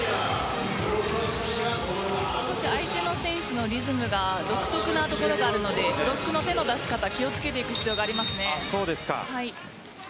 相手の選手のリズムが独特なところがあるのでブロックの手の出し方気を付けていく必要がありますね。